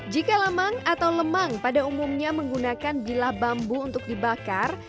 jika lamang atau lemang pada umumnya menggunakan bilah bambu untuk dibakar